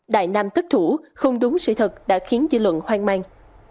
đại nam tất thủ không đúng sự thật đã khiến dư luận hoang mang